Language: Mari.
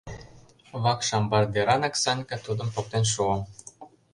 Вакш амбар деранак Санька тудым поктен шуо.